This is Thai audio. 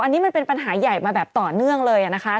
อันนี้มันเป็นปัญหาใหญ่มาแบบต่อเนื่องเลยนะคะ